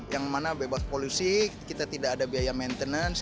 yang mana bebas polusi kita tidak ada biaya maintenance